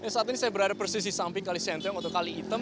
saat ini saya berada persis di samping kalisentiong atau kali hitam